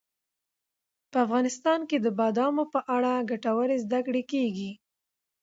په افغانستان کې د بادامو په اړه ګټورې زده کړې کېږي.